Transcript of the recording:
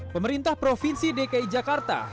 pemerintah provinsi dki jakarta